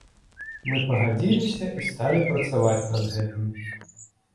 Мы пагадзіліся і сталі працаваць над гэтым.